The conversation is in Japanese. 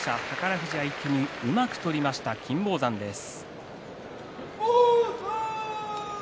富士相手にうまく取りました金峰山です。